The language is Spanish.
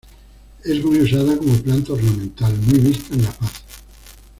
Es muy usada como planta ornamental, muy vista en La Paz.